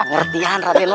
ngertian raden mah